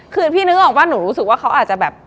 คือพี่นึกออกว่าหนูรู้สึกว่าเขาอาจจะแบบ